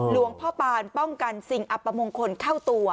หลวงพ่อปานป้องกันสิ่งอัปมงคลเข้าตัว